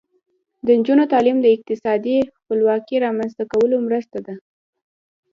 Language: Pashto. د نجونو تعلیم د اقتصادي خپلواکۍ رامنځته کولو مرسته ده.